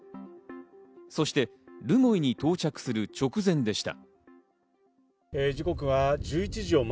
そして留萌に到着する直前でした。